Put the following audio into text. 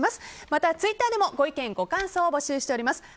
また、ツイッターでもご意見、ご感想を募集しています。